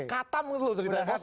katam gitu loh